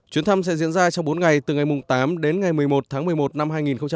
chuyến thăm sẽ diễn ra trong bốn ngày từ ngày tám đến ngày một mươi một tháng một mươi một năm hai nghìn một mươi chín